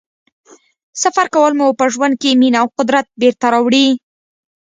سفر کول مو په ژوند کې مینه او قدرت بېرته راوړي.